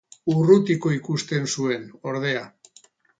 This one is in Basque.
Urrutiko ikusten zuen, ordea.